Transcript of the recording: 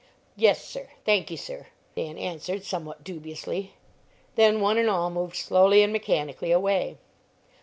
"Yes, sir; thank ye, sir," Dan answered, somewhat dubiously; then one and all moved slowly and mechanically away.